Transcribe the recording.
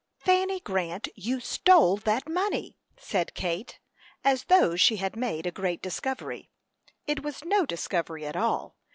"Fanny Grant, you stole that money!" said Kate, as though she had made a great discovery. It was no discovery at all.